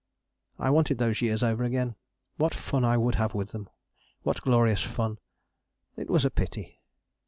I wanted those years over again. What fun I would have with them: what glorious fun! It was a pity.